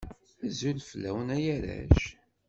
Azul fellawen a arrac